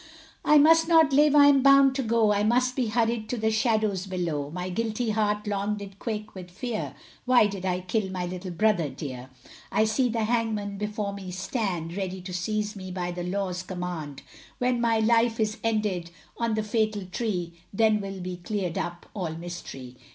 I must not live, I am bound to go, I must be hurried to the shadows below, My guilty heart long did quake with fear, Why did I kill my little brother dear. I see the hangman before me stand, Ready to seize me by the law's command, When my life is ended on the fatal tree, Then will be clear'd up all mystery.